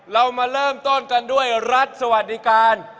เรามาเริ่มต้นกันด้วยรัฐสวัสดิการ